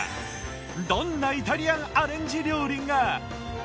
どんなイタリアンアレンジ料理が？